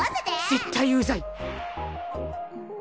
絶対うざい！